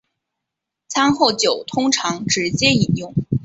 餐后酒通常直接饮用。